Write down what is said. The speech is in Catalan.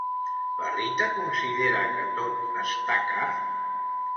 La Rita considera que tot està car?